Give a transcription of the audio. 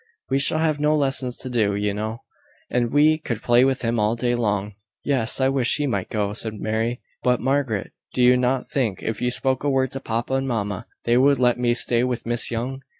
We shall have no lessons to do, you know; and we could play with him all day long." "Yes, I wish he might go," said Mary. "But, Margaret, do you not think, if you spoke a word to papa and mamma, they would let me stay with Miss Young?